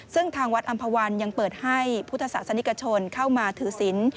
ซึ่งทางวัดอำภาวันยังเปิดให้พุทธศาสนิกชนเข้ามาถือศิลป์